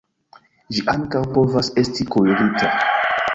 Ĝi ankaŭ povas esti kuirita.